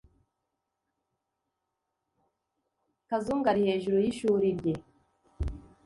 Kazungu ari hejuru yishuri rye.